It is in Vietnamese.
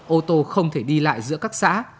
ô tô không thể đi lại giữa các xã